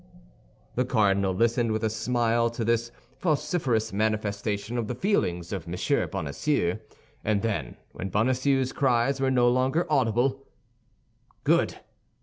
The cardinal listened with a smile to this vociferous manifestation of the feelings of M. Bonacieux; and then, when Bonacieux's cries were no longer audible, "Good!"